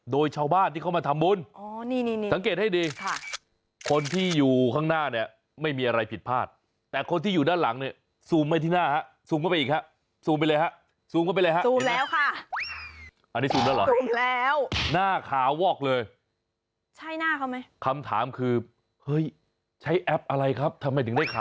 โดยชาวบ้านที่เขามาทำบุญ